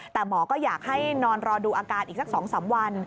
แต่หมอก็อยากให้นอนรอดูอาการอีกสัก๒๓วัน